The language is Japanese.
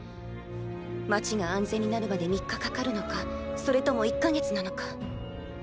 街が安全になるまで３日かかるのかそれとも１か月なのか。